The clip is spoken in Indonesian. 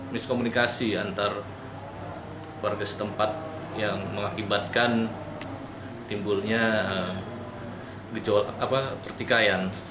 miskomunikasi antar warga setempat yang mengakibatkan timbulnya pertikaian